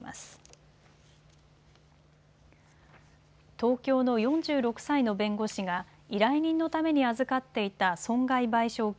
東京の４６歳の弁護士が依頼人のために預かっていた損害賠償金